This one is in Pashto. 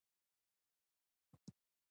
څلورم ښه تصور او تحلیل لري.